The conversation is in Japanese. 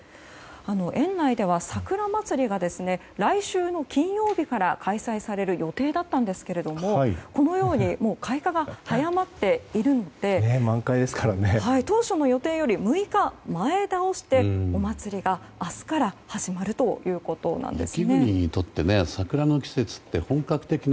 園内ではさくらまつりが来週の金曜日から開催される予定だったんですがこのように開花が早まっているので当初の予定より６日前倒してお祭りが明日から始まるということなんですね。